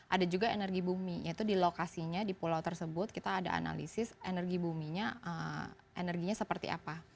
ada juga energi bumi yaitu di lokasinya di pulau tersebut kita ada analisis energi buminya energinya seperti apa